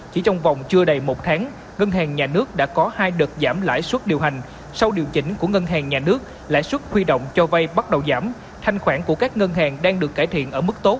chỉ trong vòng chưa đầy một tháng ngân hàng nhà nước đã có hai đợt giảm lãi suất điều hành sau điều chỉnh của ngân hàng nhà nước lãi suất huy động cho vay bắt đầu giảm thanh khoản của các ngân hàng đang được cải thiện ở mức tốt